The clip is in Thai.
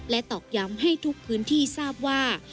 ตอกย้ำให้ทุกพื้นที่ทราบว่า